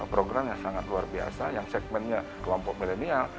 program yang sangat luar biasa yang segmennya kelompok milenial